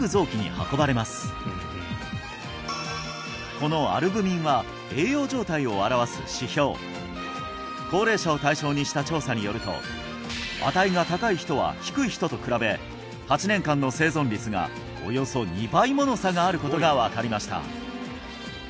このアルブミンは栄養状態を表す指標高齢者を対象にした調査によると値が高い人は低い人と比べ８年間の生存率がおよそ２倍もの差があることが分かりました